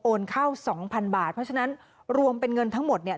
เข้าสองพันบาทเพราะฉะนั้นรวมเป็นเงินทั้งหมดเนี่ย